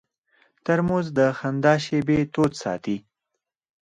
ترموز د خندا شېبې تود ساتي.